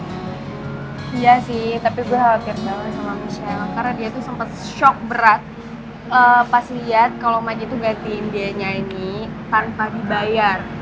iya sih tapi gue khawatir banget sama michelle karena dia tuh sempat shock berat pas lihat kalau maji itu gantiin dia nyanyi tanpa dibayar